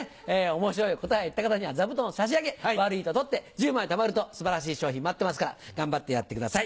面白い答えを言った方には座布団を差し上げ悪いと取って１０枚たまると素晴らしい賞品待ってますから頑張ってやってください。